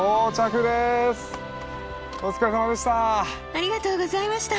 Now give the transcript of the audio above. お疲れさまでした！